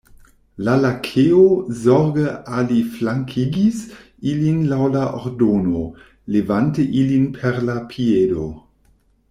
La Lakeo zorge aliflankigis ilin laŭ la ordono, levante ilin per la piedo.